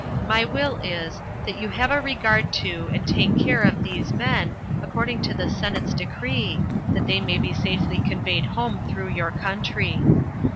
My will is, that you have a regard to and take care of these men, according to the senate's decree, that they may be safely conveyed home through your country."